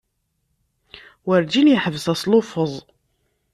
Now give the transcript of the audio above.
Werǧin yeḥbes asluffeẓ.